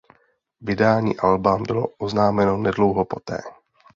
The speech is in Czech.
Vydání alba bylo oznámeno nedlouho poté.